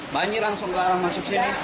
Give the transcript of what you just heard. banjir langsung ke arah masuk sini